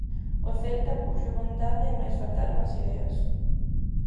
O Celta puxo vontade mais faltaron as ideas.